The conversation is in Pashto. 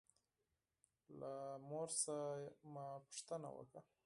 له مور څخه مې پوښتنه وکړه.